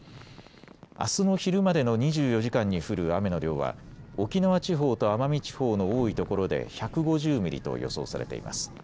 あすの昼までの２４時間に降る雨の量は沖縄地方と奄美地方の多いところで１５０ミリと予想されています。